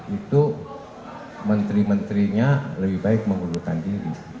itu menteri menterinya lebih baik mengundurkan diri